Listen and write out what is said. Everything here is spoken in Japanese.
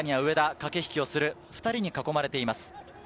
駆け引きをする２人に囲まれています。